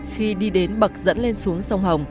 khi đi đến bậc dẫn lên xuống sông hồng